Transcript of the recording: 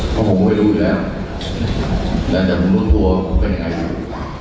ก็ผมไปดูอีกแล้วแล้วจะรู้ตัวผมเป็นยังไงอยู่